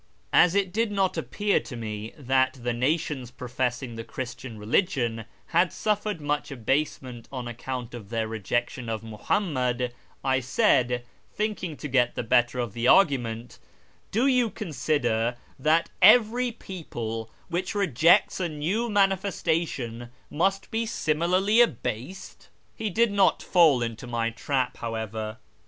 As it did not appear to me that the nations professing the Christian religion had suffered much abasement on account of their rejection of Muhammad, I said, thinking to get the better of the argument, " Do you consider that every people which rejects a new Manifestation must be similarly abased ?" He did not fall into my trap, however.